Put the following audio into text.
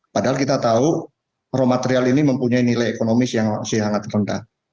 padahal kita tahu raw material ini mempunyai nilai ekonomis yang masih sangat rendah